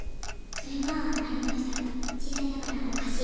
それはありました。